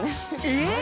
えっ？